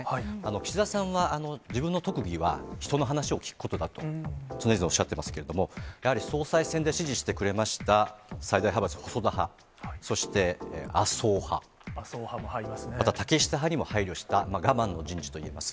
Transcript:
岸田さんは自分の特技は人の話を聞くことだと、常々おっしゃってますけれども、やはり総裁選で支持してくれました、最大派閥、細田派、そして麻生派、あとは竹下派にも配慮した、我慢の人事といえます。